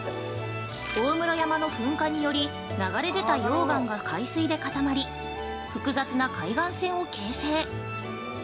大室山の噴火により流れ出た溶岩が海水で固まり、複雑な海岸線を形成。